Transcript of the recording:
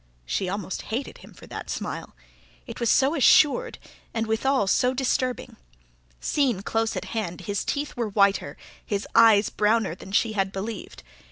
She almost hated him for that smile. It was so assured, and withal so disturbing. Seen close at hand his teeth were whiter, his eyes browner than she had believed.